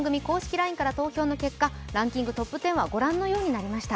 ＬＩＮＥから投票の結果、ランキングＴＯＰ１０はご覧のようになりました。